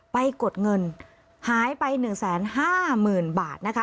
กดเงินหายไป๑๕๐๐๐๐บาทนะคะ